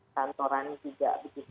santoran juga begitu